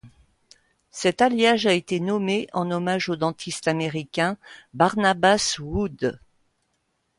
Cet alliage a été nommé en hommage au dentiste américain Barnabas Wood.